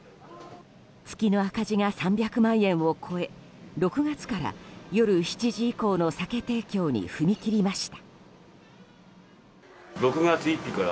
月の赤字が３００万円を超え６月から、夜７時以降の酒提供に踏み切りました。